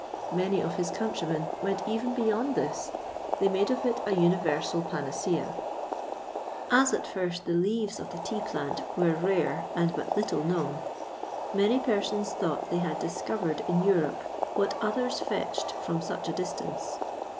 Many of his countrymen went even beyond this: they made of it a universal panacea. As at first the leaves of the tea plant were rare and but little known, many persons thought they had discovered in Europe what others fetched from such a distance.